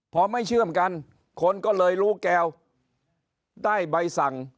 พอไม่เชื่อมกันคนก็เลยรู้แก้วได้ใบสั่ง